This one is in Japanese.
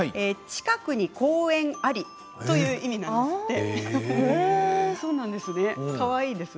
近くに公園ありという意味だそうです。